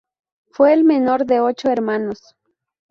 Fue el menor de ocho hermanos.